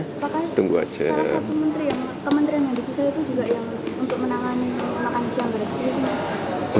salah satu kementerian yang dipisah itu juga yang untuk menangani makan siang dari sini